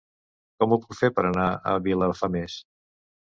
Com ho puc fer per anar a Vilafamés?